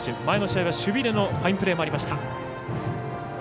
前の試合は守備でのファインプレーもありました。